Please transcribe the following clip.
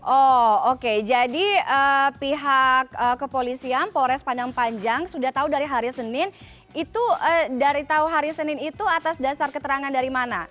oh oke jadi pihak kepolisian polres padang panjang sudah tahu dari hari senin itu dari tahu hari senin itu atas dasar keterangan dari mana